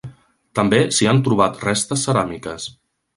També s'hi han trobat restes ceràmiques.